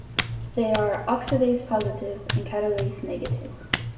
They are oxidase positive and catalase negative.